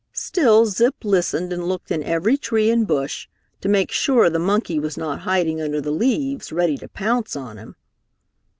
Still Zip listened and looked in every tree and bush, to make sure the monkey was not hiding under the leaves, ready to pounce on him.